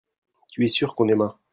tu es sûr qu'on aima.